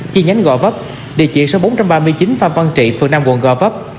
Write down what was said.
chi nhánh gò vấp địa chỉ số bốn trăm ba mươi chín phan văn trị phường năm quận gò vấp